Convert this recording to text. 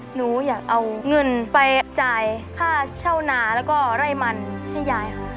หนูอยากเอาเงินไปจ่ายค่าเช่านาแล้วก็ไร่มันให้ยายค่ะ